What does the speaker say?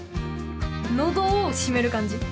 喉を閉める感じ。